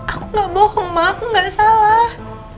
aku gak bohong ma aku gak salah